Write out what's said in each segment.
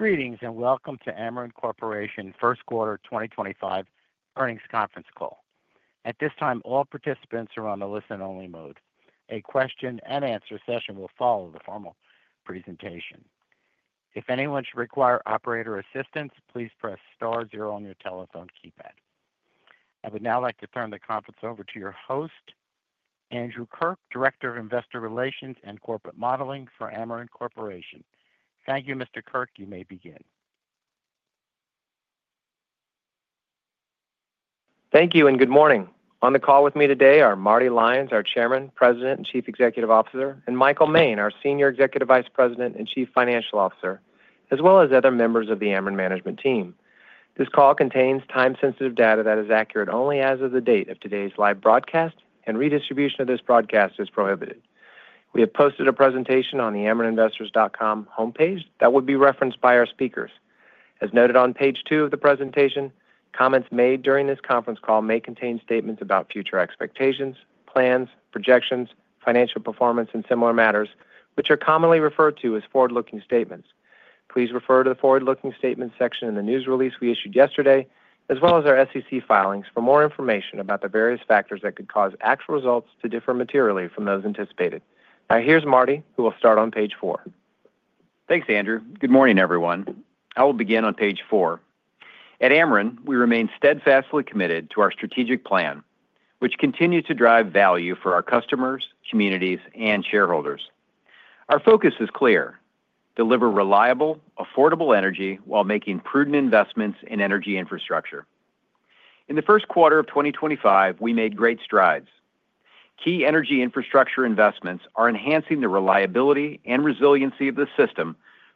Greetings and welcome to Ameren Corporation First Quarter 2025 earnings conference call. At this time, all participants are on a listen-only mode. A question-and-answer session will follow the formal presentation. If anyone should require operator assistance, please press star zero on your telephone keypad. I would now like to turn the conference over to your host, Andrew Kirk, Director of Investor Relations and Corporate Modeling for Ameren Corporation. Thank you, Mr. Kirk. You may begin. Thank you and good morning. On the call with me today are Marty Lyons, our Chairman, President and Chief Executive Officer, and Michael Moehn, our Senior Executive Vice President and Chief Financial Officer, as well as other members of the Ameren management team. This call contains time-sensitive data that is accurate only as of the date of today's live broadcast, and redistribution of this broadcast is prohibited. We have posted a presentation on the amereninvestors.com homepage that will be referenced by our speakers. As noted on Page 2 of the presentation, comments made during this conference call may contain statements about future expectations, plans, projections, financial performance, and similar matters, which are commonly referred to as forward-looking statements. Please refer to the forward-looking statements section in the news release we issued yesterday, as well as our SEC filings, for more information about the various factors that could cause actual results to differ materially from those anticipated. Now, here's Marty, who will start on Page 4. Thanks, Andrew. Good morning, everyone. I will begin on Page 4. At Ameren, we remain steadfastly committed to our strategic plan, which continues to drive value for our customers, communities, and shareholders. Our focus is clear: deliver reliable, affordable energy while making prudent investments in energy infrastructure. In the first quarter of 2025, we made great strides. Key energy infrastructure investments are enhancing the reliability and resiliency of the system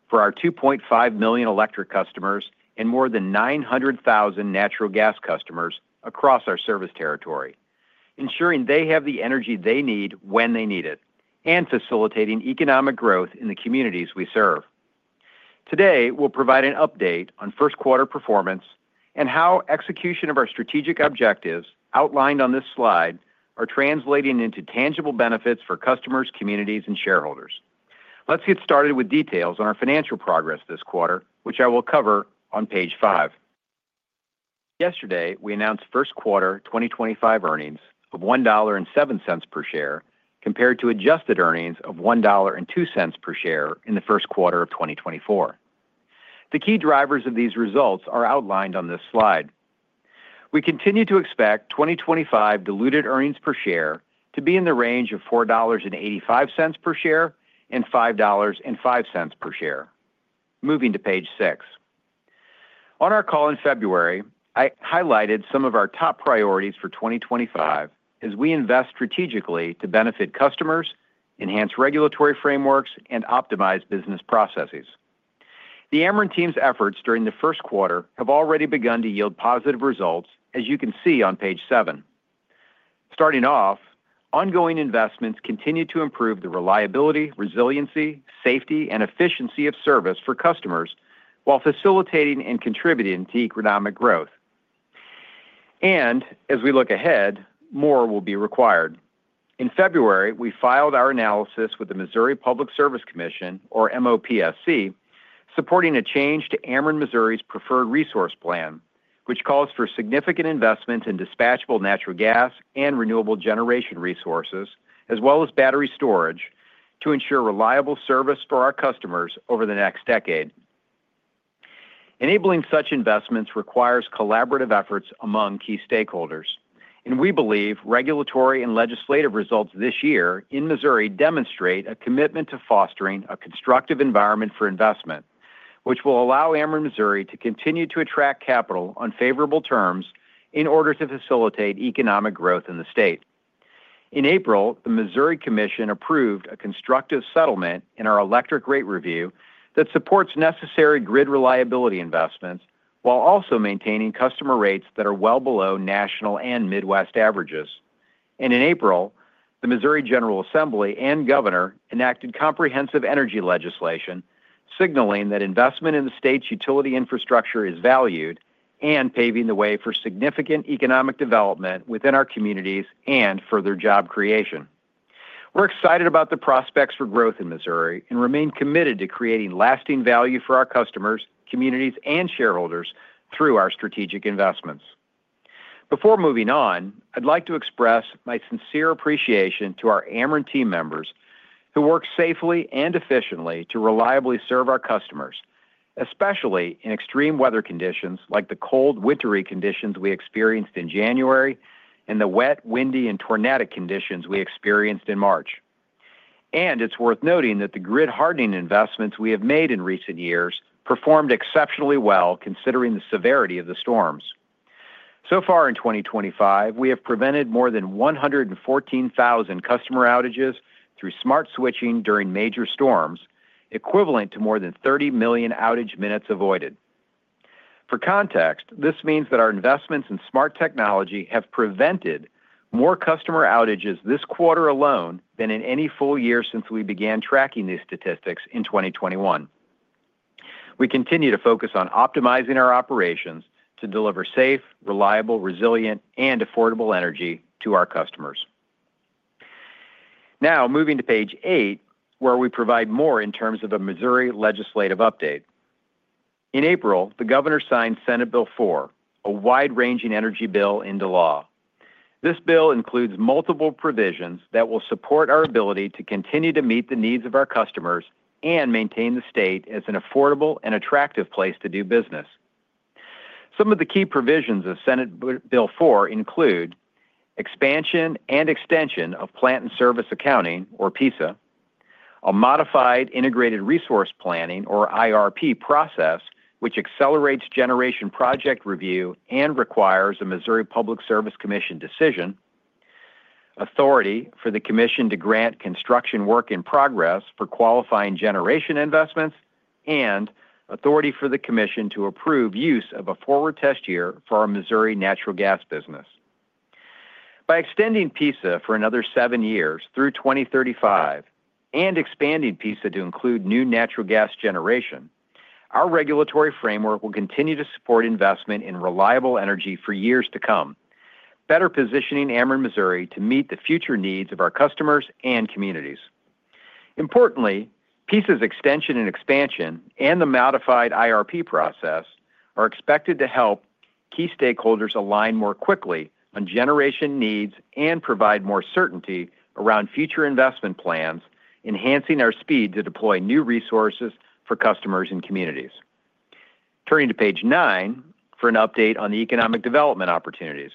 for our 2.5 million electric customers and more than 900,000 natural gas customers across our service territory, ensuring they have the energy they need when they need it and facilitating economic growth in the communities we serve. Today, we'll provide an update on first-quarter performance and how execution of our strategic objectives outlined on this slide are translating into tangible benefits for customers, communities, and shareholders. Let's get started with details on our financial progress this quarter, which I will cover on Page 5. Yesterday, we announced first quarter 2025 earnings of $1.07 per share compared to adjusted earnings of $1.02 per share in the first quarter of 2024. The key drivers of these results are outlined on this slide. We continue to expect 2025 diluted earnings per share to be in the range of $4.85 to $5.05 per share. Moving to Page 6. On our call in February, I highlighted some of our top priorities for 2025 as we invest strategically to benefit customers, enhance regulatory frameworks, and optimize business processes. The Ameren team's efforts during the first quarter have already begun to yield positive results, as you can see on Page 7. Starting off, ongoing investments continue to improve the reliability, resiliency, safety, and efficiency of service for customers while facilitating and contributing to economic growth. As we look ahead, more will be required. In February, we filed our analysis with the Missouri Public Service Commission, or MOPSC, supporting a change to Ameren Missouri's preferred resource plan, which calls for significant investment in dispatchable natural gas and renewable generation resources, as well as battery storage, to ensure reliable service for our customers over the next decade. Enabling such investments requires collaborative efforts among key stakeholders, and we believe regulatory and legislative results this year in Missouri demonstrate a commitment to fostering a constructive environment for investment, which will allow Ameren Missouri to continue to attract capital on favorable terms in order to facilitate economic growth in the state. In April, the Missouri Commission approved a constructive settlement in our electric rate review that supports necessary grid reliability investments while also maintaining customer rates that are well below national and Midwest averages. In April, the Missouri General Assembly and Governor enacted comprehensive energy legislation, signaling that investment in the state's utility infrastructure is valued and paving the way for significant economic development within our communities and further job creation. We're excited about the prospects for growth in Missouri and remain committed to creating lasting value for our customers, communities, and shareholders through our strategic investments. Before moving on, I'd like to express my sincere appreciation to our Ameren team members who work safely and efficiently to reliably serve our customers, especially in extreme weather conditions like the cold wintery conditions we experienced in January and the wet, windy, and tornadic conditions we experienced in March. It is worth noting that the grid hardening investments we have made in recent years performed exceptionally well considering the severity of the storms. So far in 2025, we have prevented more than 114,000 customer outages through smart switching during major storms, equivalent to more than 30 million outage minutes avoided. For context, this means that our investments in smart technology have prevented more customer outages this quarter alone than in any full year since we began tracking these statistics in 2021. We continue to focus on optimizing our operations to deliver safe, reliable, resilient, and affordable energy to our customers. Now, moving to Page 8, where we provide more in terms of a Missouri legislative update. In April, the Governor signed Senate Bill 4, a wide-ranging energy bill into law. This bill includes multiple provisions that will support our ability to continue to meet the needs of our customers and maintain the state as an affordable and attractive place to do business. Some of the key provisions of Senate Bill 4 include expansion and extension of Plant-in-Service Accounting, or PISA, a modified Integrated Resource Planning, or IRP process, which accelerates generation project review and requires a Missouri Public Service Commission decision, authority for the Commission to grant construction work in progress for qualifying generation investments, and authority for the Commission to approve use of a Forward Test Year for our Missouri natural gas business. By extending PISA for another seven years through 2035 and expanding PISA to include new natural gas generation, our regulatory framework will continue to support investment in reliable energy for years to come, better positioning Ameren Missouri to meet the future needs of our customers and communities. Importantly, PISA's extension and expansion and the modified IRP process are expected to help key stakeholders align more quickly on generation needs and provide more certainty around future investment plans, enhancing our speed to deploy new resources for customers and communities. Turning to Page 9 for an update on the economic development opportunities.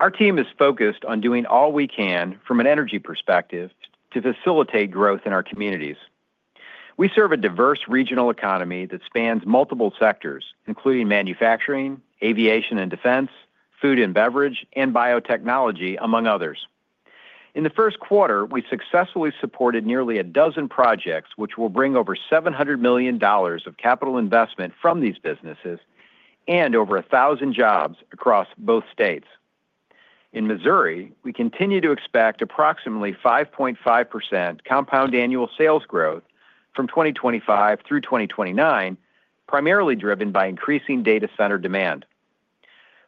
Our team is focused on doing all we can from an energy perspective to facilitate growth in our communities. We serve a diverse regional economy that spans multiple sectors, including manufacturing, aviation and defense, food and beverage, and biotechnology, among others. In the first quarter, we successfully supported nearly a dozen projects, which will bring over $700 million of capital investment from these businesses and over 1,000 jobs across both states. In Missouri, we continue to expect approximately 5.5% compound annual sales growth from 2025 through 2029, primarily driven by increasing data center demand.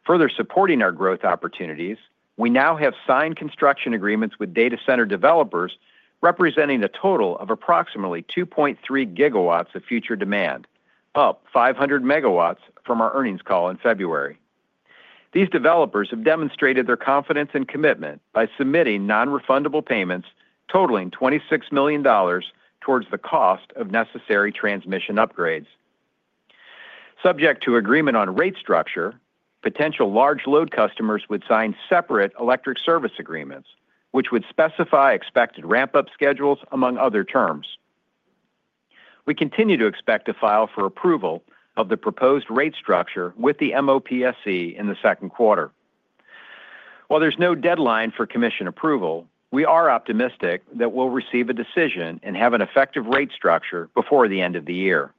Further supporting our growth opportunities, we now have signed construction agreements with data center developers representing a total of approximately 2.3 GW of future demand, up 500 MW from our earnings call in February. These developers have demonstrated their confidence and commitment by submitting non-refundable payments totaling $26 million towards the cost of necessary transmission upgrades. Subject to agreement on rate structure, potential large load customers would sign separate electric service agreements, which would specify expected ramp-up schedules, among other terms. We continue to expect to file for approval of the proposed rate structure with the MOPSC in the second quarter. While there is no deadline for Commission approval, we are optimistic that we will receive a decision and have an effective rate structure before the end of the year.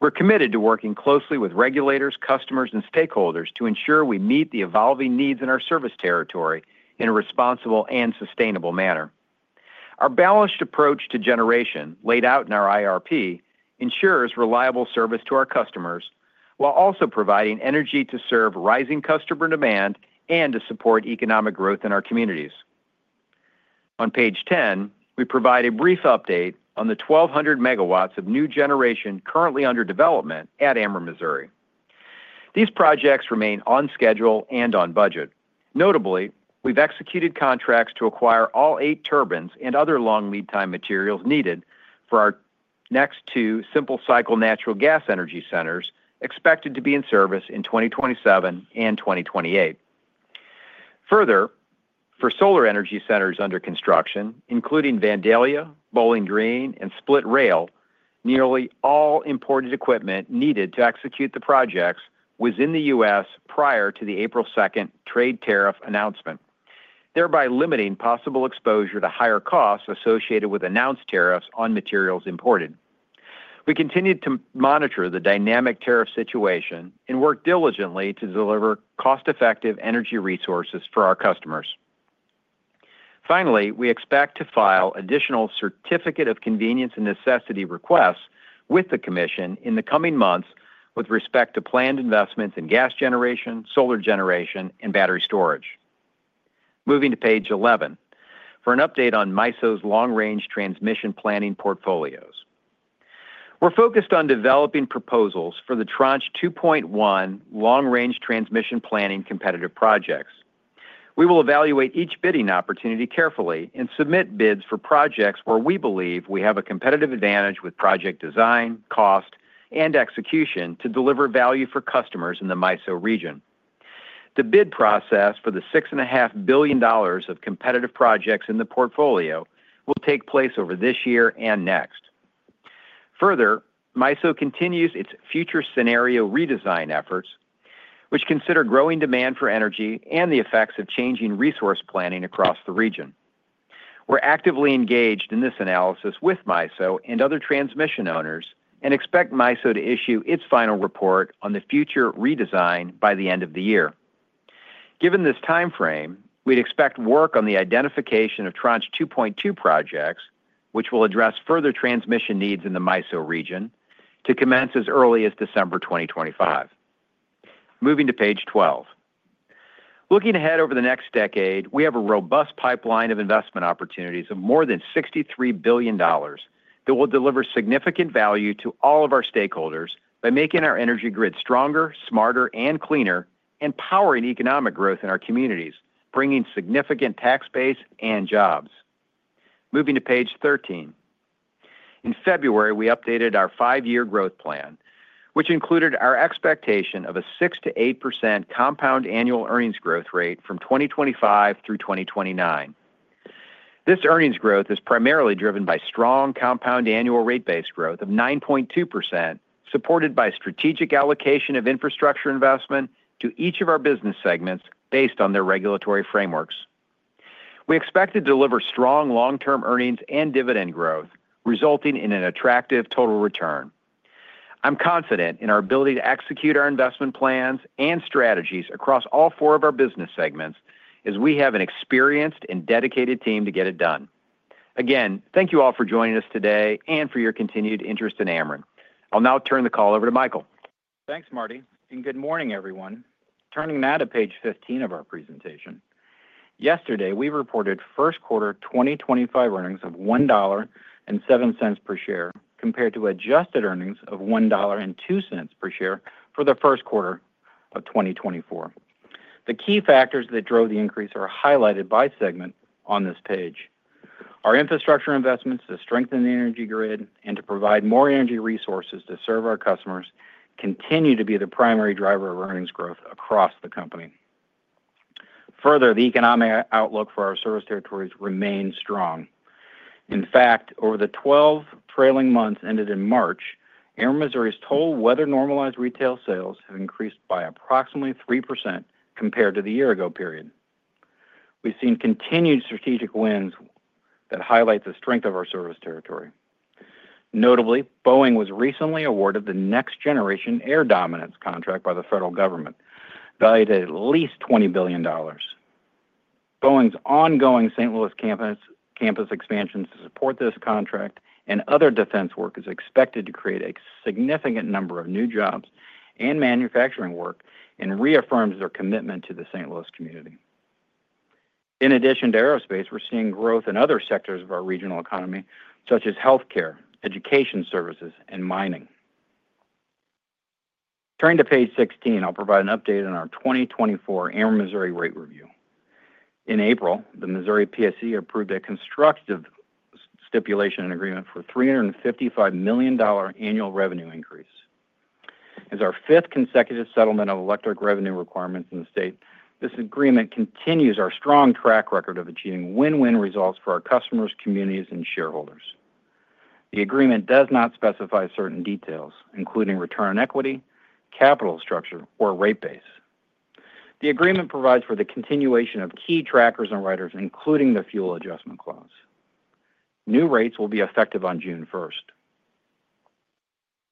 We are committed to working closely with regulators, customers, and stakeholders to ensure we meet the evolving needs in our service territory in a responsible and sustainable manner. Our balanced approach to generation laid out in our IRP ensures reliable service to our customers while also providing energy to serve rising customer demand and to support economic growth in our communities. On Page 10, we provide a brief update on the 1,200 MW of new generation currently under development at Ameren Missouri. These projects remain on schedule and on budget. Notably, we've executed contracts to acquire all eight turbines and other long lead-time materials needed for our next two simple-cycle natural gas energy centers expected to be in service in 2027 and 2028. Further, for solar energy centers under construction, including Vandalia, Bowling Green, and Split Rail, nearly all imported equipment needed to execute the projects was in the U.S. prior to the April 2nd trade tariff announcement, thereby limiting possible exposure to higher costs associated with announced tariffs on materials imported. We continue to monitor the dynamic tariff situation and work diligently to deliver cost-effective energy resources for our customers. Finally, we expect to file additional Certificate of Convenience and Necessity requests with the Commission in the coming months with respect to planned investments in gas generation, solar generation, and battery storage. Moving to Page 11 for an update on MISO's Long-Range Transmission Planning portfolios. We're focused on developing proposals for the Tranche 2.1 Long-range Transmission Planning competitive projects. We will evaluate each bidding opportunity carefully and submit bids for projects where we believe we have a competitive advantage with project design, cost, and execution to deliver value for customers in the MISO region. The bid process for the $6.5 billion of competitive projects in the portfolio will take place over this year and next. Further, MISO continues its future scenario redesign efforts, which consider growing demand for energy and the effects of changing resource planning across the region. We're actively engaged in this analysis with MISO and other transmission owners and expect MISO to issue its final report on the future redesign by the end of the year. Given this timeframe, we'd expect work on the identification of Tranche 2.2 projects, which will address further transmission needs in the MISO region, to commence as early as December 2025. Moving to Page 12. Looking ahead over the next decade, we have a robust pipeline of investment opportunities of more than $63 billion that will deliver significant value to all of our stakeholders by making our energy grid stronger, smarter, and cleaner, and powering economic growth in our communities, bringing significant tax base and jobs. Moving to Page 13. In February, we updated our five-year growth plan, which included our expectation of a 6%-8% compound annual earnings growth rate from 2025 through 2029. This earnings growth is primarily driven by strong compound annual rate-based growth of 9.2%, supported by strategic allocation of infrastructure investment to each of our business segments based on their regulatory frameworks. We expect to deliver strong long-term earnings and dividend growth, resulting in an attractive total return. I'm confident in our ability to execute our investment plans and strategies across all four of our business segments as we have an experienced and dedicated team to get it done. Again, thank you all for joining us today and for your continued interest in Ameren. I'll now turn the call over to Michael. Thanks, Marty. Good morning, everyone. Turning now to Page 15 of our presentation. Yesterday, we reported first quarter 2025 earnings of $1.07 per share compared to adjusted earnings of $1.02 per share for the first quarter of 2024. The key factors that drove the increase are highlighted by segment on this page. Our infrastructure investments to strengthen the energy grid and to provide more energy resources to serve our customers continue to be the primary driver of earnings growth across the company. Further, the economic outlook for our service territories remains strong. In fact, over the 12 trailing months ended in March, Ameren Missouri's total weather-normalized retail sales have increased by approximately 3% compared to the year-ago period. We've seen continued strategic wins that highlight the strength of our service territory. Notably, Boeing was recently awar``ded the Next Generation Air Dominance contract by the federal government, valued at at least $20 billion. Boeing's ongoing St. Louis campus expansion to support this contract and other defense work is expected to create a significant number of new jobs and manufacturing work and reaffirms their commitment to the St. Louis community. In addition to aerospace, we're seeing growth in other sectors of our regional economy, such as healthcare, education services, and mining. Turning to Page 16, I'll provide an update on our 2024 Ameren Missouri rate review. In April, the Missouri Public Service Commission approved a constructive stipulation and agreement for a $355 million annual revenue increase. As our fifth consecutive settlement of electric revenue requirements in the state, this agreement continues our strong track record of achieving win-win results for our customers, communities, and shareholders. The agreement does not specify certain details, including return on equity, capital structure, or rate base. The agreement provides for the continuation of key trackers and riders, including the Fuel Adjustment Clause. New rates will be effective on June 1st.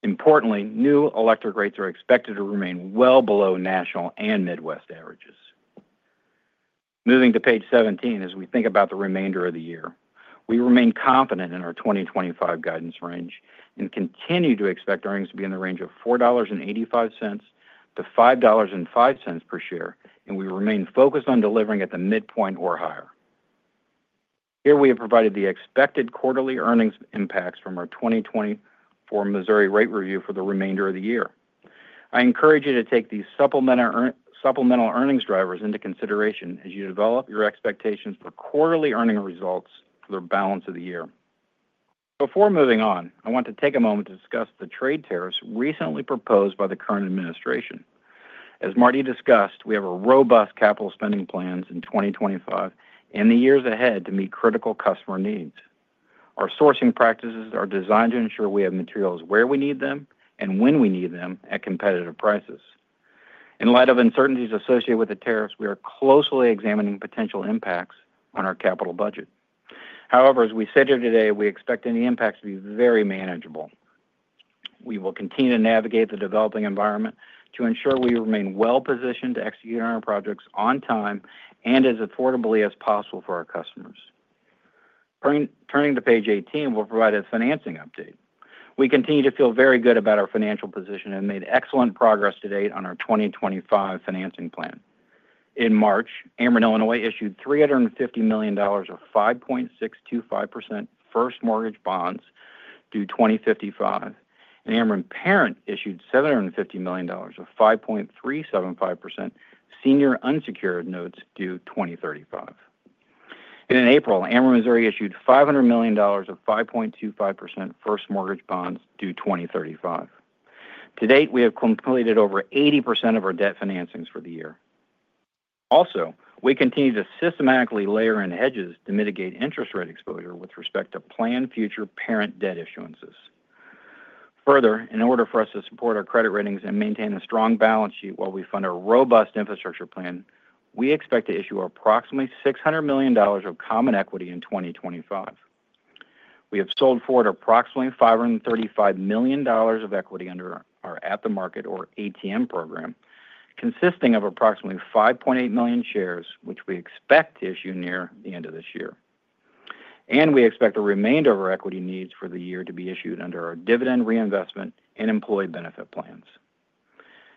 Importantly, new electric rates are expected to remain well below national and Midwest averages. Moving to Page 17, as we think about the remainder of the year, we remain confident in our 2025 guidance range and continue to expect earnings to be in the range of $4.85 to $5.05 per share, and we remain focused on delivering at the midpoint or higher. Here, we have provided the expected quarterly earnings impacts from our 2024 Missouri rate review for the remainder of the year. I encourage you to take these supplemental earnings drivers into consideration as you develop your expectations for quarterly earning results for the balance of the year. Before moving on, I want to take a moment to discuss the trade tariffs recently proposed by the current administration. As Marty discussed, we have robust capital spending plans in 2025 and the years ahead to meet critical customer needs. Our sourcing practices are designed to ensure we have materials where we need them and when we need them at competitive prices. In light of uncertainties associated with the tariffs, we are closely examining potential impacts on our capital budget. However, as we sit here today, we expect any impacts to be very manageable. We will continue to navigate the developing environment to ensure we remain well-positioned to execute on our projects on time and as affordably as possible for our customers. Turning to Page 18, we'll provide a financing update. We continue to feel very good about our financial position and made excellent progress to date on our 2025 financing plan. In March, Ameren Illinois issued $350 million of 5.625% first mortgage bonds due 2055, and Ameren Parent issued $750 million of 5.375% senior unsecured notes due 2035. In April, Ameren Missouri issued $500 million of 5.25% first mortgage bonds due 2035. To date, we have completed over 80% of our debt financings for the year. Also, we continue to systematically layer in hedges to mitigate interest rate exposure with respect to planned future parent debt issuances. Further, in order for us to support our credit ratings and maintain a strong balance sheet while we fund our robust infrastructure plan, we expect to issue approximately $600 million of common equity in 2025. We have sold forward approximately $535 million of equity under our At the Market or ATM program, consisting of approximately 5.8 million shares, which we expect to issue near the end of this year. We expect the remainder of our equity needs for the year to be issued under our dividend reinvestment and employee benefit plans.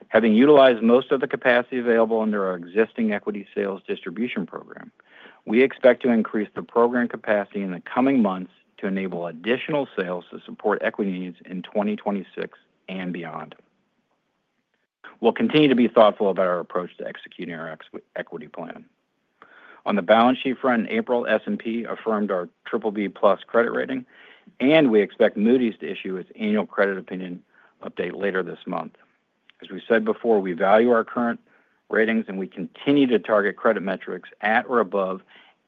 Having utilized most of the capacity available under our existing equity sales distribution program, we expect to increase the program capacity in the coming months to enable additional sales to support equity needs in 2026 and beyond. We'll continue to be thoughtful about our approach to executing our equity plan. On the balance sheet front, in April S&P affirmed our BBB+ credit rating, and we expect Moody's to issue its annual credit opinion update later this month. As we said before, we value our current ratings, and we continue to target credit metrics at or above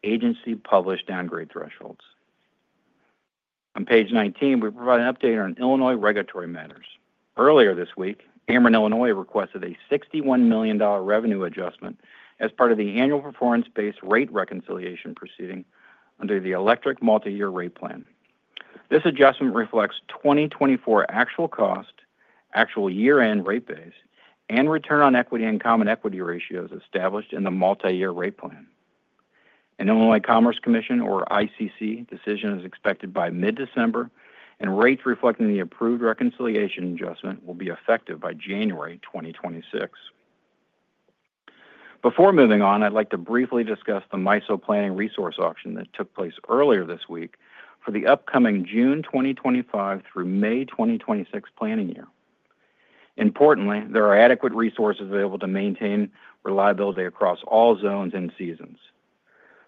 agency-published downgrade thresholds. On Page 19, we provide an update on Illinois regulatory matters. Earlier this week, Ameren Illinois requested a $61 million revenue adjustment as part of the annual performance-based rate reconciliation proceeding under the electric Multi-Year Rate Plan. This adjustment reflects 2024 actual cost, actual year-end rate base, and return on equity and common equity ratios established in the Multi-Year Rate Plan. An Illinois Commerce Commission, or ICC, decision is expected by mid-December, and rates reflecting the approved reconciliation adjustment will be effective by January 2026. Before moving on, I'd like to briefly discuss the MISO Planning Resource Auction that took place earlier this week for the upcoming June 2025 through May 2026 planning year. Importantly, there are adequate resources available to maintain reliability across all zones and seasons.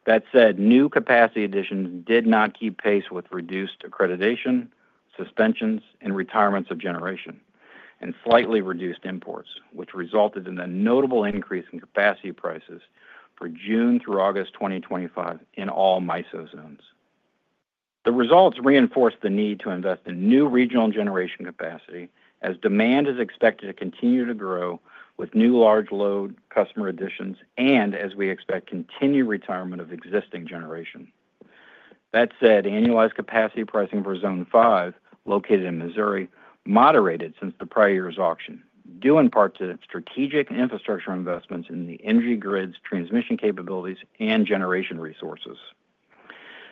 That said, new capacity additions did not keep pace with reduced accreditation, suspensions, and retirements of generation, and slightly reduced imports, which resulted in a notable increase in capacity prices for June through August 2025 in all MISO zones. The results reinforced the need to invest in new regional generation capacity as demand is expected to continue to grow with new large load customer additions and as we expect continued retirement of existing generation. That said, annualized capacity pricing for Zone 5, located in Missouri, moderated since the prior year's auction, due in part to strategic infrastructure investments in the energy grid's transmission capabilities and generation resources.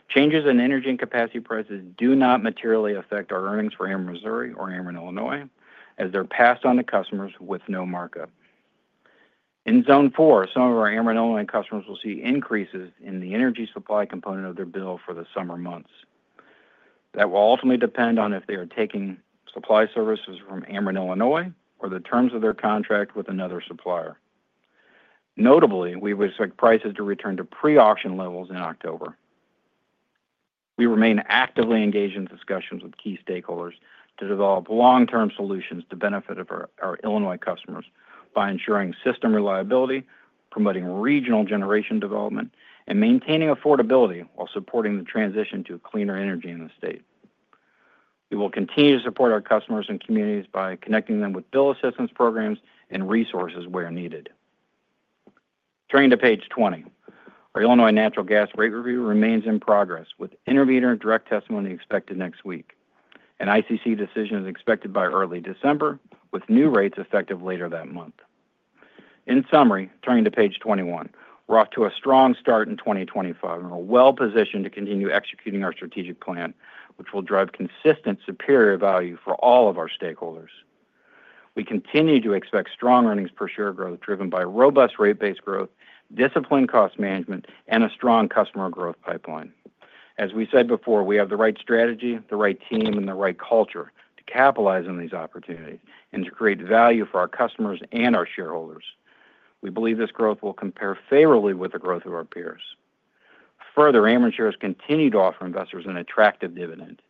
Changes in energy and capacity prices do not materially affect our earnings for Ameren Missouri or Ameren Illinois as they're passed on to customers with no markup. In Zone 4, some of our Ameren Illinois customers will see increases in the energy supply component of their bill for the summer months. That will ultimately depend on if they are taking supply services from Ameren Illinois or the terms of their contract with another supplier. Notably, we would expect prices to return to pre-auction levels in October. We remain actively engaged in discussions with key stakeholders to develop long-term solutions to benefit our Illinois customers by ensuring system reliability, promoting regional generation development, and maintaining affordability while supporting the transition to cleaner energy in the state. We will continue to support our customers and communities by connecting them with bill assistance programs and resources where needed. Turning to Page 20, our Illinois natural gas rate review remains in progress with intermediate and direct testimony expected next week. An ICC decision is expected by early December, with new rates effective later that month. In summary, turning to Page 21, we're off to a strong start in 2025 and are well-positioned to continue executing our strategic plan, which will drive consistent superior value for all of our stakeholders. We continue to expect strong earnings per share growth driven by robust rate-based growth, disciplined cost management, and a strong customer growth pipeline. As we said before, we have the right strategy, the right team, and the right culture to capitalize on these opportunities and to create value for our customers and our shareholders. We believe this growth will compare favorably with the growth of our peers. Further, Ameren shares continue to offer investors an attractive dividend.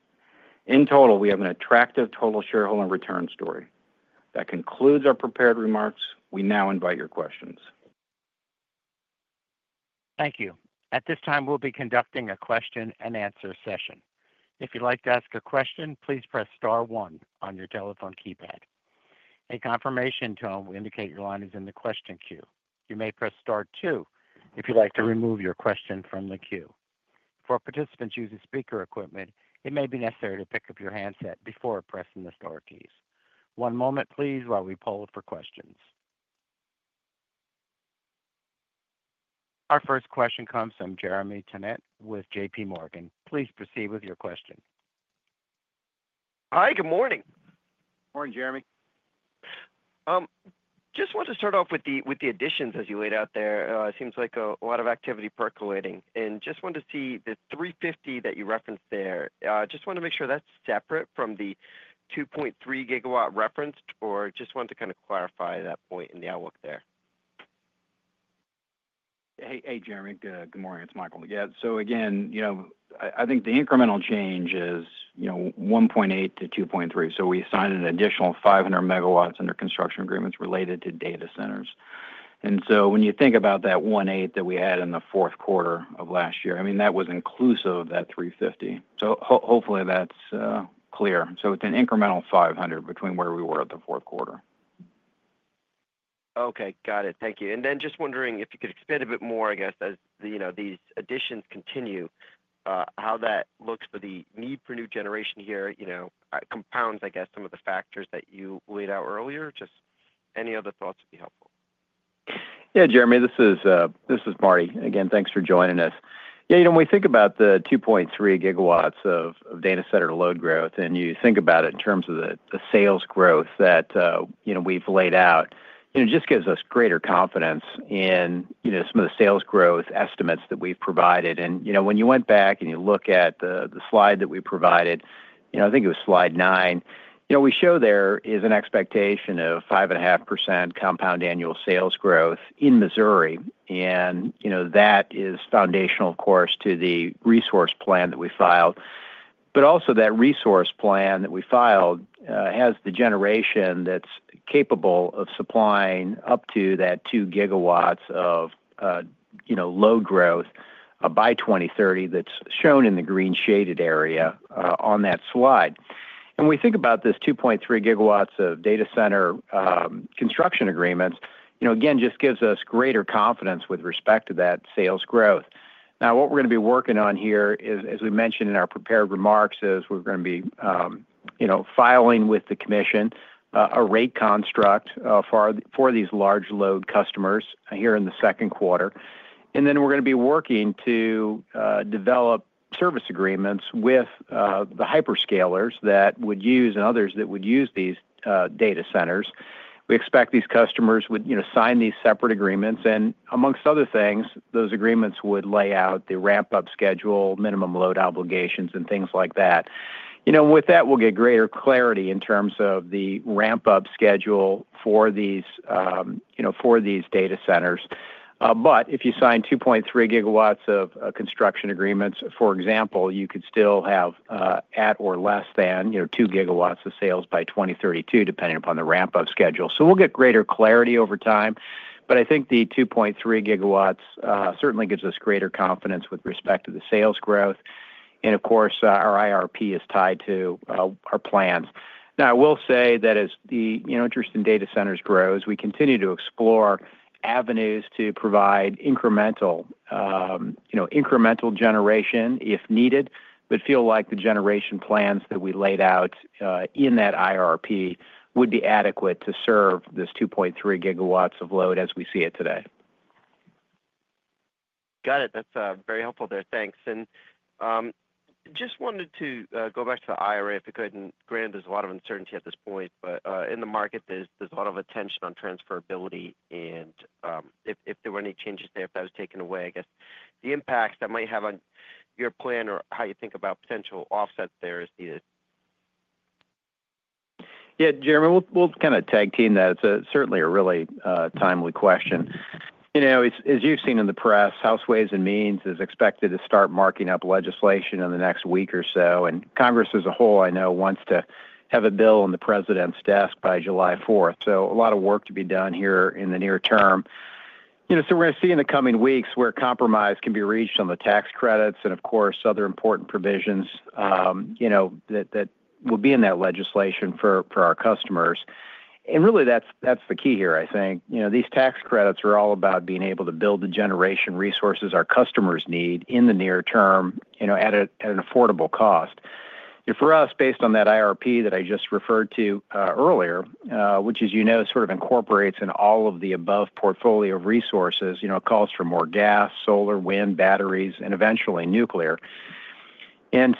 In total, we have an attractive total shareholder return story. That concludes our prepared remarks. We now invite your questions. Thank you. At this time, we'll be conducting a question-and-answer session. If you'd like to ask a question, please press star one on your telephone keypad. A confirmation tone will indicate your line is in the question queue. You may press star two if you'd like to remove your question from the queue. For participants using speaker equipment, it may be necessary to pick up your handset before pressing the star keys. One moment, please, while we poll for questions. Our first question comes from Jeremy Tonet with J.P. Morgan. Please proceed with your question. Hi, good morning. Morning, Jeremy. Just wanted to start off with the additions, as you laid out there. It seems like a lot of activity percolating. Just wanted to see the 350 that you referenced there. Just wanted to make sure that's separate from the 2.3 GW referenced, or just wanted to kind of clarify that point in the outlook there. Hey, Jeremy. Good morning. It's Michael. Yeah. I think the incremental change is 1.8 GW to 2.3 GW. We assigned an additional 500 MW under construction agreements related to data centers. When you think about that $1.8 billion that we had in the fourth quarter of last year, I mean, that was inclusive of that $350 million. Hopefully that's clear. It's an incremental $500 million between where we were at the fourth quarter. Okay. Got it. Thank you. I am just wondering if you could expand a bit more, I guess, as these additions continue, how that looks for the need for new generation here compounds, I guess, some of the factors that you laid out earlier. Any other thoughts would be helpful. Yeah, Jeremy, this is Marty. Again, thanks for joining us. When we think about the 2.3 GW of data center load growth and you think about it in terms of the sales growth that we've laid out, it just gives us greater confidence in some of the sales growth estimates that we've provided. When you went back and you look at the slide that we provided, I think it was slide nine, what we show there is an expectation of 5.5% compound annual sales growth in Missouri. That is foundational, of course, to the resource plan that we filed. Also, that resource plan that we filed has the generation that is capable of supplying up to that 2 GW of load growth by 2030 that is shown in the green shaded area on that slide. When we think about this 2.3 GW of data center construction agreements, again, it just gives us greater confidence with respect to that sales growth. What we are going to be working on here, as we mentioned in our prepared remarks, is we are going to be filing with the commission a rate construct for these large load customers here in the second quarter. We are going to be working to develop service agreements with the hyperscalers that would use and others that would use these data centers. We expect these customers would sign these separate agreements. Amongst other things, those agreements would lay out the ramp-up schedule, minimum load obligations, and things like that. With that, we will get greater clarity in terms of the ramp-up schedule for these data centers. If you sign 2.3 GW of construction agreements, for example, you could still have at or less than 2 GW of sales by 2032, depending upon the ramp-up schedule. We will get greater clarity over time. I think the 2.3 GW certainly gives us greater confidence with respect to the sales growth. Our IRP is tied to our plans. Now, I will say that as the interest in data centers grows, we continue to explore avenues to provide incremental generation if needed, but feel like the generation plans that we laid out in that IRP would be adequate to serve this 2.3 GW of load as we see it today. Got it. That is very helpful there. Thanks. I just wanted to go back to the IRA, if it could not. Granted, there is a lot of uncertainty at this point, but in the market, there is a lot of attention on transferability. If there were any changes there, if that was taken away, I guess the impacts that might have on your plan or how you think about potential offsets there is needed. Yeah, Jeremy, we will kind of tag team that. It is certainly a really timely question. As you've seen in the press, House Ways and Means is expected to start marking up legislation in the next week or so. Congress as a whole, I know, wants to have a bill on the president's desk by July 4th. A lot of work to be done here in the near term. We're going to see in the coming weeks where compromise can be reached on the tax credits and, of course, other important provisions that will be in that legislation for our customers. Really, that's the key here, I think. These tax credits are all about being able to build the generation resources our customers need in the near term at an affordable cost. For us, based on that IRP that I just referred to earlier, which as you know sort of incorporates in all of the above portfolio of resources, it calls for more gas, solar, wind, batteries, and eventually nuclear.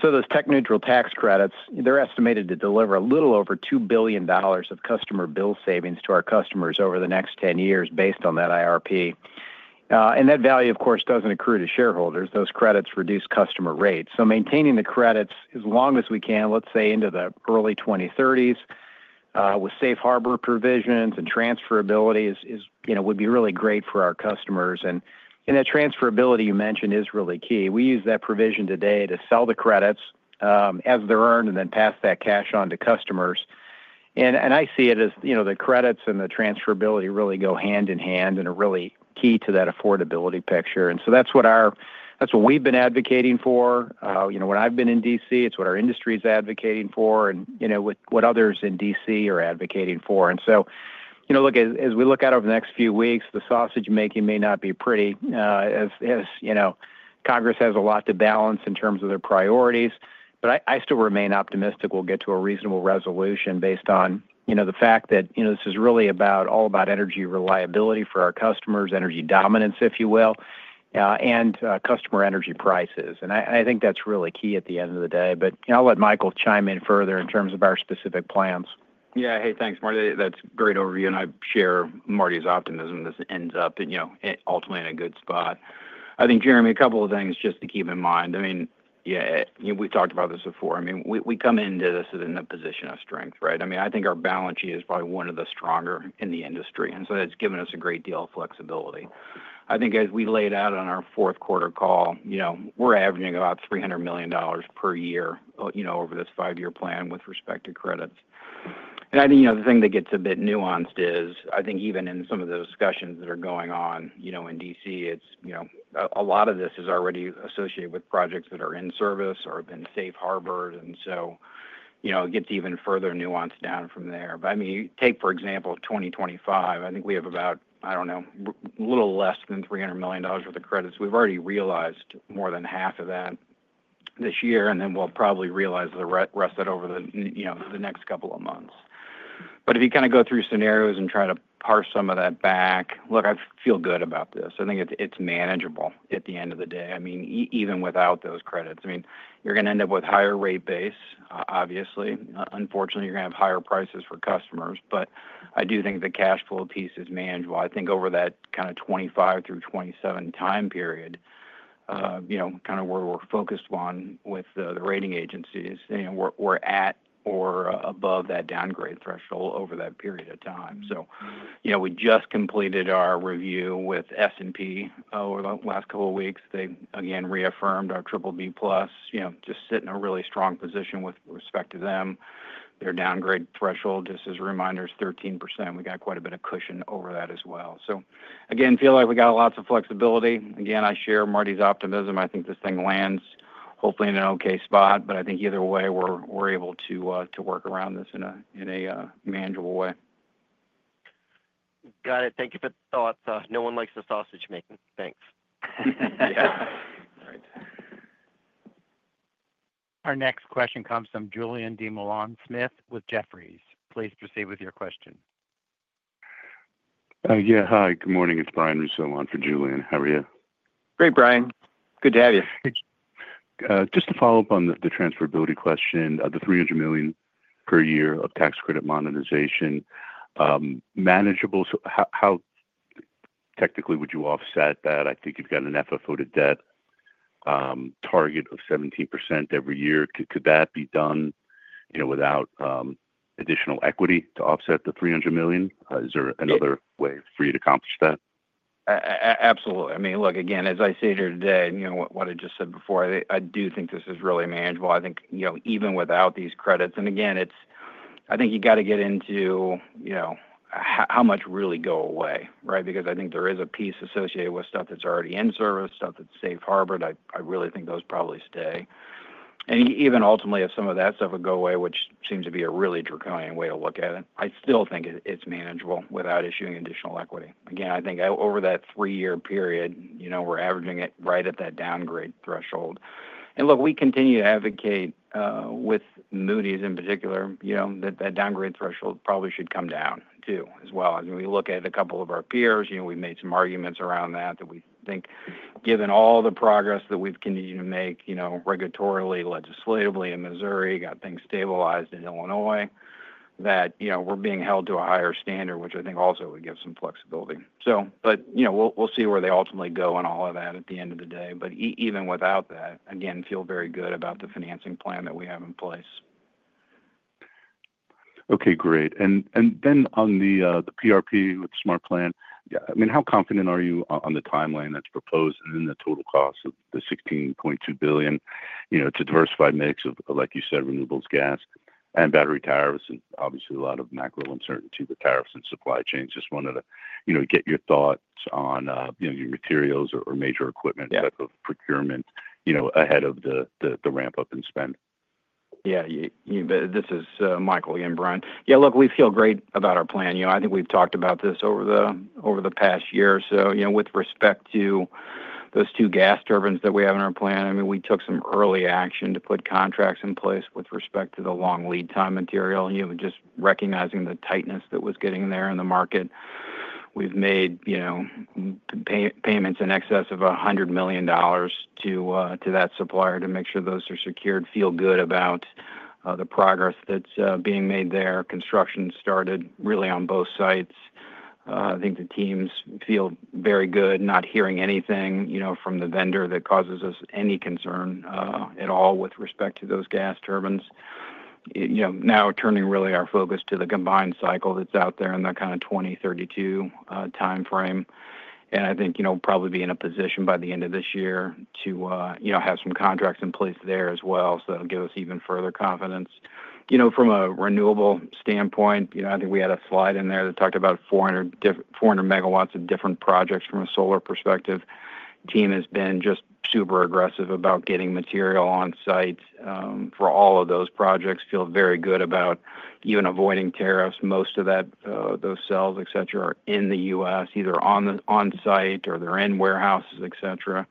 Those tech-neutral tax credits, they're estimated to deliver a little over $2 billion of customer bill savings to our customers over the next 10 years based on that IRP. That value, of course, doesn't accrue to shareholders. Those credits reduce customer rates. Maintaining the credits as long as we can, let's say into the early 2030s, with safe harbor provisions and transferability, would be really great for our customers. That transferability you mentioned is really key. We use that provision today to sell the credits as they're earned and then pass that cash on to customers. I see it as the credits and the transferability really go hand in hand and are really key to that affordability picture. That is what we have been advocating for. When I have been in DC, it is what our industry is advocating for and what others in DC are advocating for. As we look out over the next few weeks, the sausage-making may not be pretty, as Congress has a lot to balance in terms of their priorities. I still remain optimistic we will get to a reasonable resolution based on the fact that this is really all about energy reliability for our customers, energy dominance, if you will, and customer energy prices. I think that is really key at the end of the day. I will let Michael chime in further in terms of our specific plans. Yeah. Hey, thanks, Marty. That is a great overview. I share Marty's optimism. This ends up ultimately in a good spot. I think, Jeremy, a couple of things just to keep in mind. I mean, yeah, we've talked about this before. I mean, we come into this in a position of strength, right? I mean, I think our balance sheet is probably one of the stronger in the industry. It has given us a great deal of flexibility. I think as we laid out on our fourth quarter call, we're averaging about $300 million per year over this five-year plan with respect to credits. I think the thing that gets a bit nuanced is I think even in some of the discussions that are going on in D.C., a lot of this is already associated with projects that are in service or have been safe harbored. It gets even further nuanced down from there. I mean, take for example, 2025, I think we have about, I do not know, a little less than $300 million worth of credits. We have already realized more than half of that this year. We will probably realize the rest of that over the next couple of months. If you kind of go through scenarios and try to parse some of that back, look, I feel good about this. I think it is manageable at the end of the day. I mean, even without those credits, you are going to end up with higher rate base, obviously. Unfortunately, you are going to have higher prices for customers. I do think the cash flow piece is manageable. I think over that kind of 2025 through 2027 time period, kind of where we're focused on with the rating agencies, we're at or above that downgrade threshold over that period of time. We just completed our review with S&P over the last couple of weeks. They, again, reaffirmed our BBB+, just sitting in a really strong position with respect to them. Their downgrade threshold, just as a reminder, is 13%. We got quite a bit of cushion over that as well. I feel like we got lots of flexibility. I share Marty's optimism. I think this thing lands hopefully in an okay spot. I think either way, we're able to work around this in a manageable way. Got it. Thank you for the thoughts. No one likes the sausage making. Thanks. Our next question comes from Julien Dumoulin-Smith with Jefferies. Please proceed with your question. Yeah. Hi. Good morning. It's Brian Russo on for Julien. How are you? Great, Brian. Good to have you. Just to follow up on the transferability question, the $300 million per year of tax credit monetization, manageable. So how technically would you offset that? I think you've got an FFO to debt target of 17% every year. Could that be done without additional equity to offset the $300 million? Is there another way for you to accomplish that? Absolutely. I mean, look, again, as I stated today, what I just said before, I do think this is really manageable. I think even without these credits, and again, I think you got to get into how much really go away, right? Because I think there is a piece associated with stuff that's already in service, stuff that's safe harbored. I really think those probably stay. Even ultimately, if some of that stuff would go away, which seems to be a really draconian way to look at it, I still think it's manageable without issuing additional equity. Again, I think over that three-year period, we're averaging it right at that downgrade threshold. We continue to advocate with Moody's in particular that that downgrade threshold probably should come down too as well. As we look at a couple of our peers, we've made some arguments around that that we think, given all the progress that we've continued to make regulatorily, legislatively in Missouri, got things stabilized in Illinois, that we're being held to a higher standard, which I think also would give some flexibility. We'll see where they ultimately go and all of that at the end of the day. Even without that, again, feel very good about the financing plan that we have in place. Okay. Great. I mean, on the PRP with the smart plan, how confident are you on the timeline that's proposed and then the total cost of the $16.2 billion to diversify mix of, like you said, renewables, gas, and battery tariffs and obviously a lot of macro uncertainty with tariffs and supply chains? Just wanted to get your thoughts on your materials or major equipment type of procurement ahead of the ramp-up and spend. Yeah. This is Michael again, Brian. Yeah. Look, we feel great about our plan. I think we've talked about this over the past year. With respect to those two gas turbines that we have in our plan, I mean, we took some early action to put contracts in place with respect to the long lead time material. Just recognizing the tightness that was getting there in the market, we've made payments in excess of $100 million to that supplier to make sure those are secured. Feel good about the progress that's being made there. Construction started really on both sites. I think the teams feel very good not hearing anything from the vendor that causes us any concern at all with respect to those gas turbines. Now turning really our focus to the combined cycle that's out there in the kind of 2032 timeframe. I think we'll probably be in a position by the end of this year to have some contracts in place there as well. That will give us even further confidence. From a renewable standpoint, I think we had a slide in there that talked about 400 MW of different projects from a solar perspective. Team has been just super aggressive about getting material on site for all of those projects. Feel very good about even avoiding tariffs. Most of those cells, etc., are in the U.S., either on site or they are in warehouses, etc.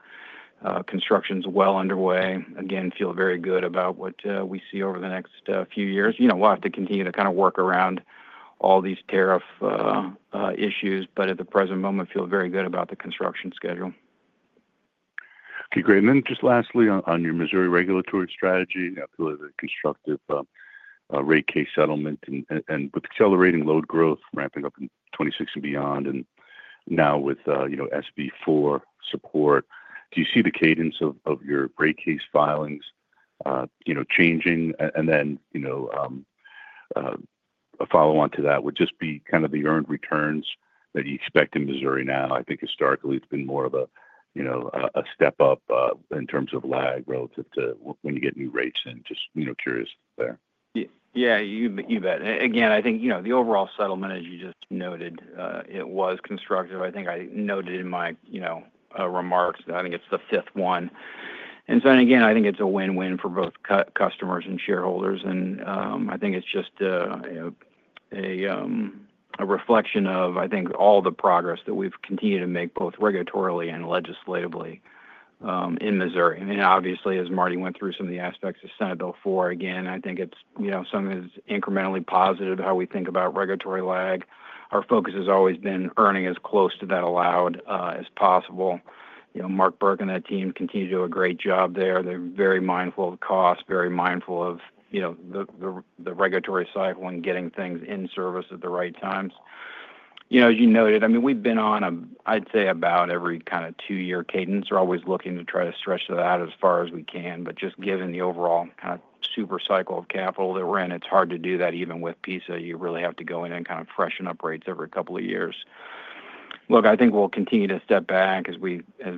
Construction is well underway. Again, feel very good about what we see over the next few years. We will have to continue to kind of work around all these tariff issues. At the present moment, feel very good about the construction schedule. Okay. Great. Lastly, on your Missouri regulatory strategy, the constructive rate case settlement and with accelerating load growth ramping up in 2026 and beyond, and now with SB4 support, do you see the cadence of your rate case filings changing? A follow-on to that would just be kind of the earned returns that you expect in Missouri now. I think historically, it has been more of a step up in terms of lag relative to when you get new rates in. Just curious there. Yeah. You bet. Again, I think the overall settlement, as you just noted, was constructive. I think I noted in my remarks, I think it is the fifth one. Again, I think it is a win-win for both customers and shareholders. I think it's just a reflection of, I think, all the progress that we've continued to make both regulatorily and legislatively in Missouri. Obviously, as Marty went through some of the aspects of Senate Bill 4, again, I think some of it is incrementally positive how we think about regulatory lag. Our focus has always been earning as close to that allowed as possible. Mark Birk and that team continue to do a great job there. They're very mindful of cost, very mindful of the regulatory cycle and getting things in service at the right times. As you noted, I mean, we've been on a, I'd say, about every kind of two-year cadence. We're always looking to try to stretch that out as far as we can. Just given the overall kind of super cycle of capital that we're in, it's hard to do that even with PISA. You really have to go in and kind of freshen up rates every couple of years. Look, I think we'll continue to step back as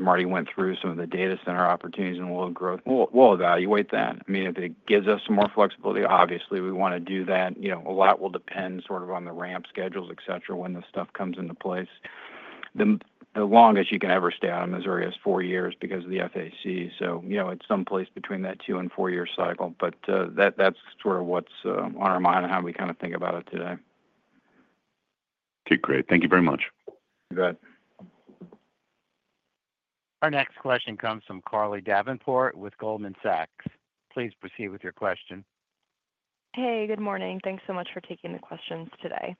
Marty went through some of the data center opportunities and load growth. We'll evaluate that. I mean, if it gives us some more flexibility, obviously, we want to do that. A lot will depend sort of on the ramp schedules, etc., when the stuff comes into place. The longest you can ever stay out of Missouri is four years because of the FAC. It is someplace between that two and four-year cycle. That is sort of what's on our mind and how we kind of think about it today. Okay. Great. Thank you very much. You bet. Our next question comes from Carly Davenport with Goldman Sachs. Please proceed with your question. Hey, good morning. Thanks so much for taking the questions today.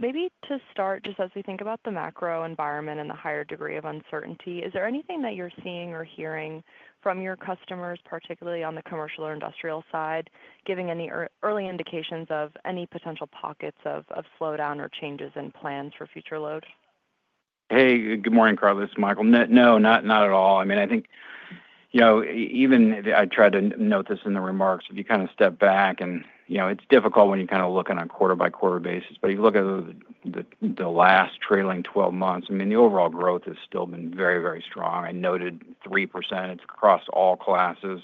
Maybe to start, just as we think about the macro environment and the higher degree of uncertainty, is there anything that you're seeing or hearing from your customers, particularly on the commercial or industrial side, giving any early indications of any potential pockets of slowdown or changes in plans for future load? Hey, good morning, Carly. This is Michael. No, not at all. I mean, I think even I tried to note this in the remarks. If you kind of step back, and it's difficult when you kind of look on a quarter-by-quarter basis. But you look at the last trailing 12 months, I mean, the overall growth has still been very, very strong. I noted 3%. It's across all classes.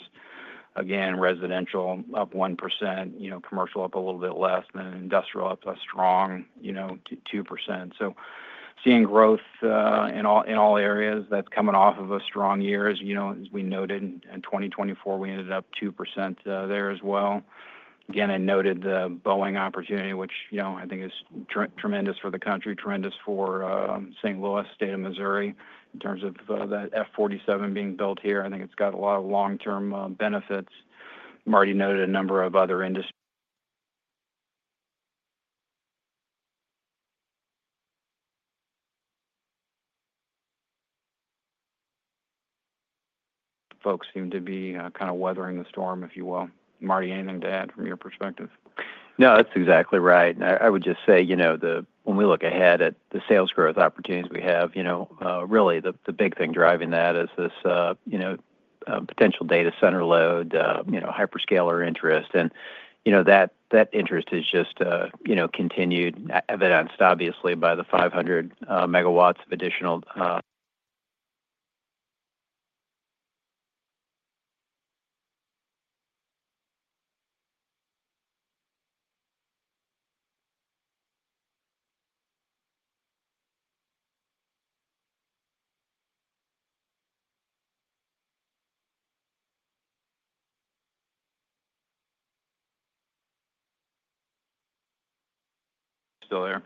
Again, residential up 1%, commercial up a little bit less, and industrial up a strong 2%. Seeing growth in all areas, that's coming off of a strong year. As we noted, in 2024, we ended up 2% there as well. I noted the Boeing opportunity, which I think is tremendous for the country, tremendous for St. Louis, State of Missouri, in terms of that F-47 being built here. I think it's got a lot of long-term benefits. Marty noted a number of other industry. Folks seem to be kind of weathering the storm, if you will. Marty, anything to add from your perspective? No, that's exactly right. I would just say when we look ahead at the sales growth opportunities we have, really the big thing driving that is this potential data center load, hyperscaler interest. That interest is just continued evidenced, obviously, by the 500 MW of additional. Still there?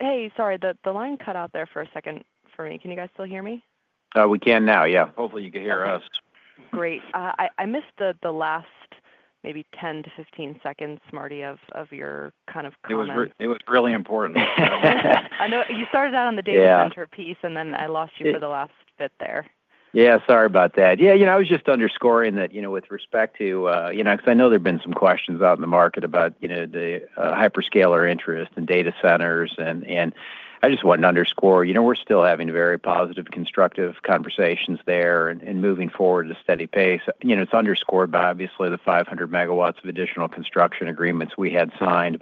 Hey, sorry. The line cut out there for a second for me. Can you guys still hear me? We can now. Yeah. Hopefully, you can hear us. Great. I missed the last maybe 10 to 15 seconds, Marty, of your kind of comment. It was really important. I know you started out on the data center piece, and then I lost you for the last bit there. Yeah. Sorry about that. I was just underscoring that with respect to because I know there've been some questions out in the market about the hyperscaler interest and data centers. I just wanted to underscore we're still having very positive, constructive conversations there and moving forward at a steady pace. It's underscored by, obviously, the 500 MW of additional construction agreements we had signed.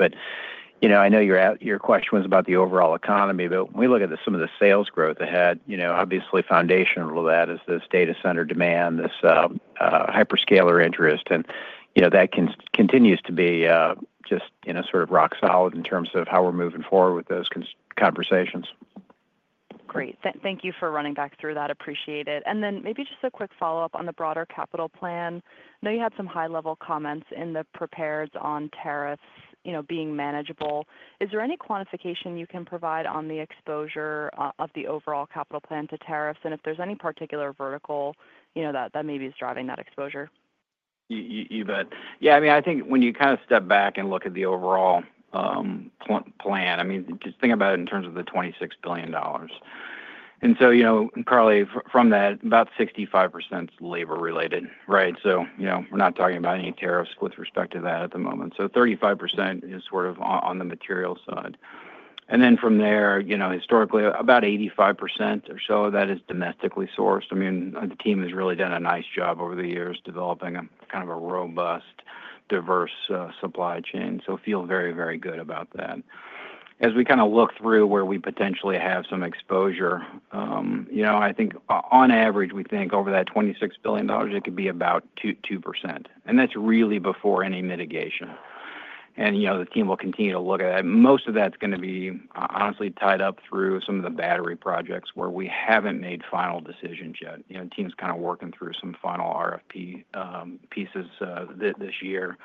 I know your question was about the overall economy. When we look at some of the sales growth ahead, obviously, foundational to that is this data center demand, this hyperscaler interest. That continues to be just sort of rock solid in terms of how we're moving forward with those conversations. Great. Thank you for running back through that. Appreciate it. Maybe just a quick follow-up on the broader capital plan. I know you had some high-level comments in the prepared on tariffs being manageable. Is there any quantification you can provide on the exposure of the overall capital plan to tariffs? If there's any particular vertical that maybe is driving that exposure? You bet. Yeah. I think when you kind of step back and look at the overall plan, just think about it in terms of the $26 billion. Carly, from that, about 65% is labor-related, right? We are not talking about any tariffs with respect to that at the moment. 35% is sort of on the material side. From there, historically, about 85% or so of that is domestically sourced. I mean, the team has really done a nice job over the years developing kind of a robust, diverse supply chain. I feel very, very good about that. As we kind of look through where we potentially have some exposure, I think on average, we think over that $26 billion, it could be about 2%. That is really before any mitigation. The team will continue to look at that. Most of that is going to be honestly tied up through some of the battery projects where we have not made final decisions yet. The team's kind of working through some final RFP pieces this year.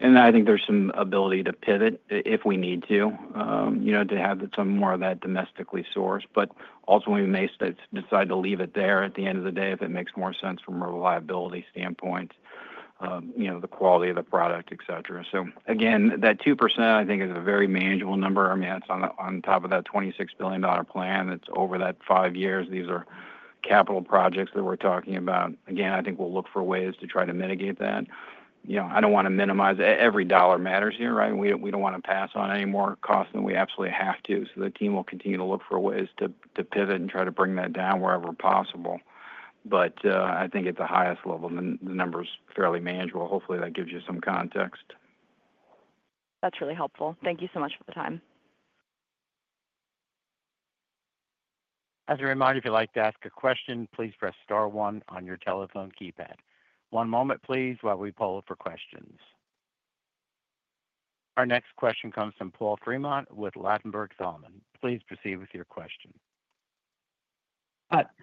I think there's some ability to pivot if we need to, to have some more of that domestically sourced. Ultimately, we may decide to leave it there at the end of the day if it makes more sense from a reliability standpoint, the quality of the product, etc. Again, that 2% is a very manageable number. I mean, it's on top of that $26 billion plan. It's over that five years. These are capital projects that we're talking about. Again, I think we'll look for ways to try to mitigate that. I don't want to minimize it. Every dollar matters here, right? We don't want to pass on any more cost than we absolutely have to. The team will continue to look for ways to pivot and try to bring that down wherever possible. I think at the highest level, the number's fairly manageable. Hopefully, that gives you some context. That's really helpful. Thank you so much for the time. As a reminder, if you'd like to ask a question, please press star one on your telephone keypad. One moment, please, while we pull up for questions. Our next question comes from Paul Fremont with Ladenburg Thalmann. Please proceed with your question.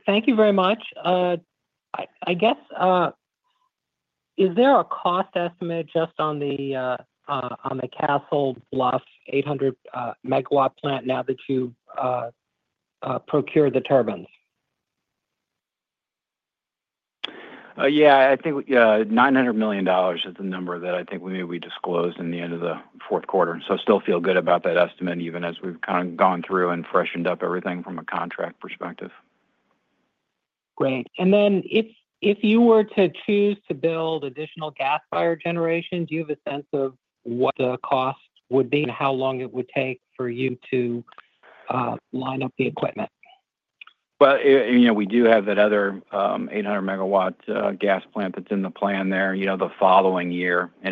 Thank you very much. I guess, is there a cost estimate just on the Castle Bluff 800 MW plant now that you've procured the turbines? Yeah. I think $900 million is the number that I think we maybe disclosed in the end of the fourth quarter. I still feel good about that estimate, even as we've kind of gone through and freshened up everything from a contract perspective. Great. If you were to choose to build additional gas-fire generation, do you have a sense of what the cost would be and how long it would take for you to line up the equipment? We do have that other 800 MW gas plant that's in the plan there the following year. I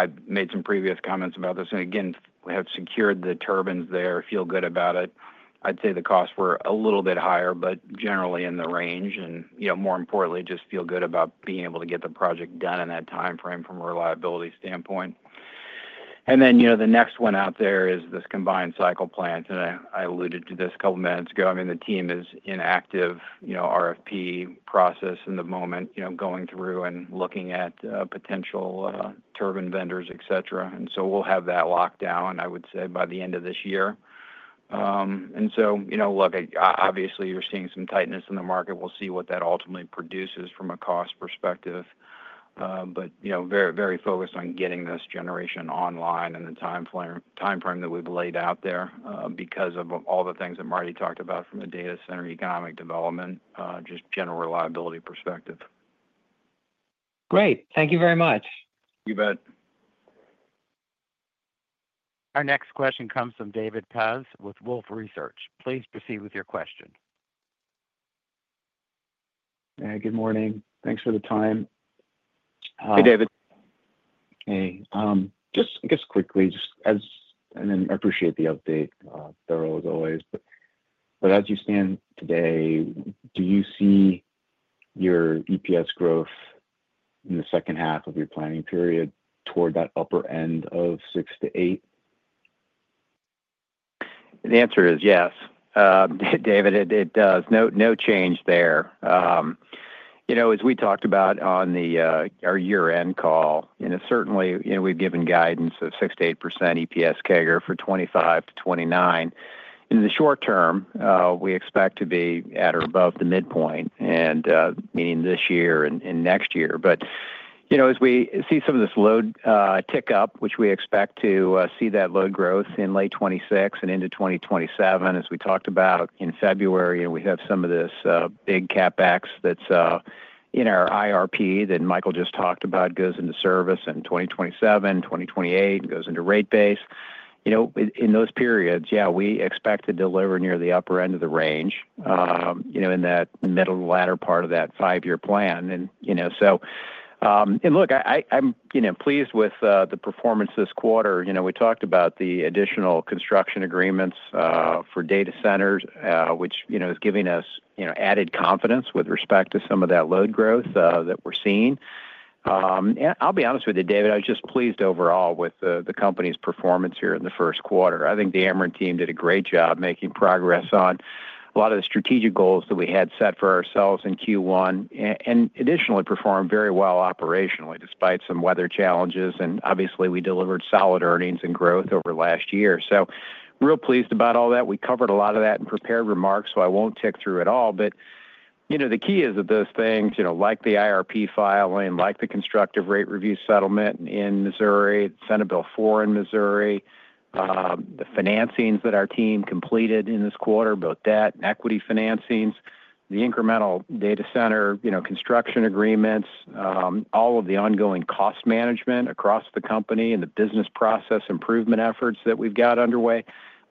have made some previous comments about this. We have secured the turbines there. Feel good about it. I'd say the costs were a little bit higher, but generally in the range. More importantly, just feel good about being able to get the project done in that timeframe from a reliability standpoint. The next one out there is this combined cycle plant. I alluded to this a couple of minutes ago. I mean, the team is in active RFP process at the moment, going through and looking at potential turbine vendors, etc. We'll have that locked down, I would say, by the end of this year. Obviously, you're seeing some tightness in the market. We'll see what that ultimately produces from a cost perspective. Very focused on getting this generation online in the timeframe that we've laid out there because of all the things that Marty talked about from the data center economic development, just general reliability perspective. Great. Thank you very much. You bet. Our next question comes from David Paz with Wolfe Research. Please proceed with your question. Hey, good morning. Thanks for the time. Hey, David. Hey. Just quickly, and I appreciate the update, thorough as always. As you stand today, do you see your EPS growth in the second half of your planning period toward that upper end of 6-8%? The answer is yes, David. It does. No change there. As we talked about on our year-end call, certainly, we have given guidance of 6-8% EPS CAGR for 2025-2029. In the short term, we expect to be at or above the midpoint, meaning this year and next year. As we see some of this load tick up, which we expect to see that load growth in late 2026 and into 2027, as we talked about in February, and we have some of this big CapEx that is in our IRP that Michael just talked about goes into service in 2027, 2028, goes into rate base. In those periods, yeah, we expect to deliver near the upper end of the range in that middle to latter part of that five-year plan. Look, I'm pleased with the performance this quarter. We talked about the additional construction agreements for data centers, which is giving us added confidence with respect to some of that load growth that we're seeing. I'll be honest with you, David, I was just pleased overall with the company's performance here in the first quarter. I think the Ameren team did a great job making progress on a lot of the strategic goals that we had set for ourselves in Q1 and additionally performed very well operationally despite some weather challenges. Obviously, we delivered solid earnings and growth over last year. Real pleased about all that. We covered a lot of that in prepared remarks, so I won't tick through it all. The key is that those things, like the IRP filing, like the constructive rate review settlement in Missouri, the Senate Bill 4 in Missouri, the financings that our team completed in this quarter, both debt and equity financings, the incremental data center construction agreements, all of the ongoing cost management across the company and the business process improvement efforts that we've got underway,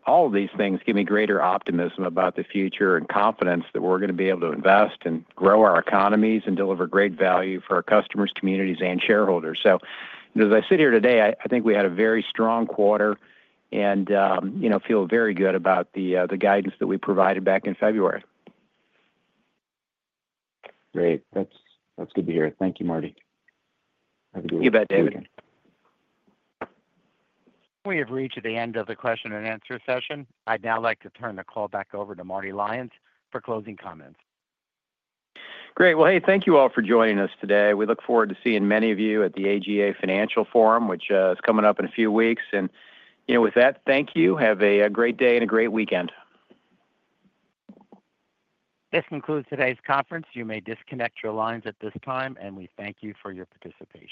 all of these things give me greater optimism about the future and confidence that we're going to be able to invest and grow our economies and deliver great value for our customers, communities, and shareholders. As I sit here today, I think we had a very strong quarter and feel very good about the guidance that we provided back in February. Great. That's good to hear. Thank you, Marty. Have a good weekend. You bet, David. We have reached the end of the question and answer session. I'd now like to turn the call back over to Marty Lyons for closing comments. Great. Hey, thank you all for joining us today. We look forward to seeing many of you at the AGA Financial Forum, which is coming up in a few weeks. With that, thank you. Have a great day and a great weekend. This concludes today's conference. You may disconnect your lines at this time, and we thank you for your participation.